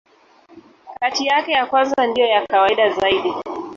Kati yake, ya kwanza ndiyo ya kawaida zaidi.